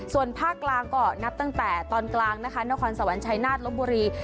ส่วนภาคกลางก็นับตั้งแต่ตอนกลางนะคะนครสวรรค์ชายนาฏลบบุรี